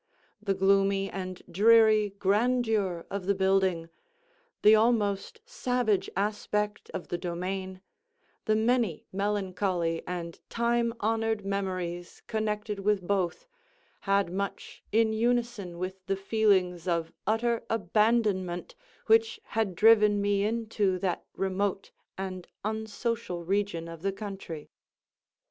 The gloomy and dreary grandeur of the building, the almost savage aspect of the domain, the many melancholy and time honored memories connected with both, had much in unison with the feelings of utter abandonment which had driven me into that remote and unsocial region of the country.